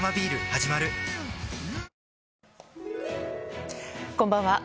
はじまるこんばんは。